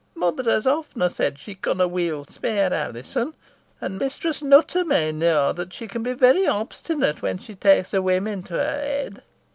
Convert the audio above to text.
"Mother has often said she conna weel spare Alizon. An mayhap Mistress Nutter may knoa, that she con be very obstinate when she tays a whim into her head."